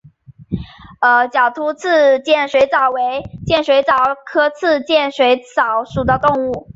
角突刺剑水蚤为剑水蚤科刺剑水蚤属的动物。